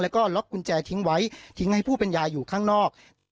แล้วก็ล็อกกุญแจทิ้งไว้ทิ้งให้ผู้เป็นยายอยู่ข้างนอก